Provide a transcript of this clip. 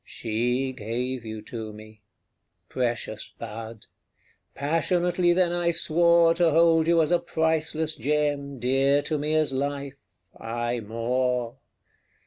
She gave you to me. Precious bud! Passionately then I swore To hold you as a priceless gem, Dear to me as life aye more!